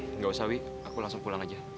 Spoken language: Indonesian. tidak perlu wih saya langsung pulang saja